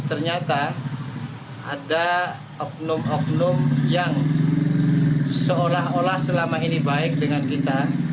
ternyata ada oknum oknum yang seolah olah selama ini baik dengan kita